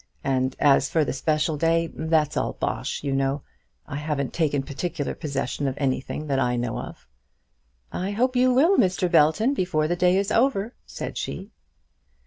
And as for the special day, that's all bosh, you know. I haven't taken particular possession of anything that I know of." "I hope you will, Mr. Belton, before the day is over," said she.